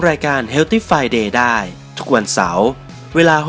กันคันหรือเปล่า